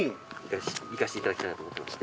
◆行かしていただきたいなと思ってまして。